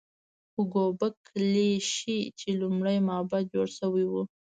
خو ګوبک لي ښيي چې لومړی معبد جوړ شوی و.